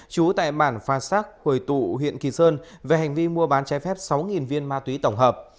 chú tại bản pha sác hồi tụ huyện kỳ sơn về hành vi mua bán trái phép sáu viên ma túy tổng hợp